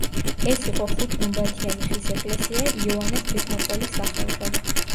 ეს იყო ხუთგუმბათიანი ხის ეკლესია იოანე ღვთისმეტყველის სახელზე.